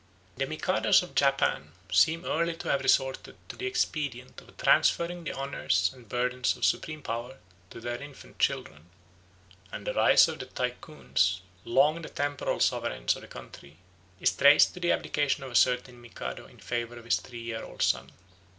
The Mikados of Japan seem early to have resorted to the expedient of transferring the honours and burdens of supreme power to their infant children; and the rise of the Tycoons, long the temporal sovereigns of the country, is traced to the abdication of a certain Mikado in favour of his three year old son.